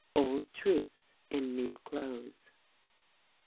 — Old Truths in New Clothes.